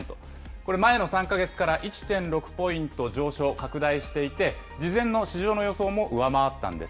これ、前の３か月から１．６ポイント上昇、拡大していて、事前の市場の予想も上回ったんです。